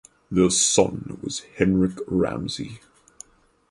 Their son was Henrik Ramsay.